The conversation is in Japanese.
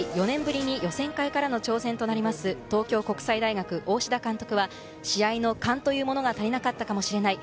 総合１１位、４年ぶりに予選会からの挑戦となります東京国際大学・大志田監督は試合の勘が足りなかったのかもしれない。